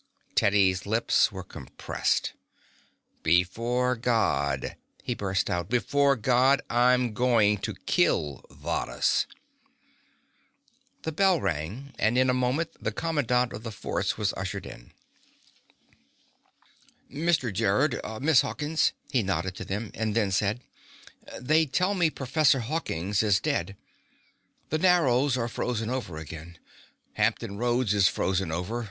Teddy's lips were compressed. "Before God," he burst out, "before God, I'm going to kill Varrhus!" The bell rang, and in a moment the commandant of the forts was ushered in. "Mr. Gerrod, Miss Hawkins," he nodded to them, and then said: "They tell me Professor Hawkins is dead. The Narrows are frozen over again. Hampton Roads is frozen over.